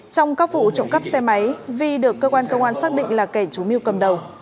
trong các vụ trộm cắp xe máy vi được cơ quan công an xác định là kẻ trú mưu cầm đầu